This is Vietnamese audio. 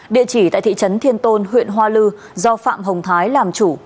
địa chỉ tại thị trấn thiên tôn huyện hoa lư do phạm hồng thái làm chủ